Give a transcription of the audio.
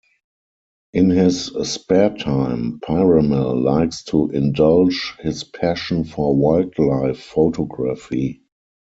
In his spare time, Piramal likes to indulge in his passion for wildlife photography.